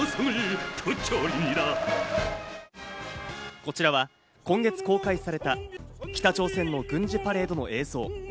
こちらは今月公開された北朝鮮の軍事パレードの映像。